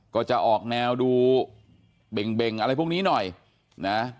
ก็จะออกแนวดูเบ่งอะไรพวกนี้หน่อยนะ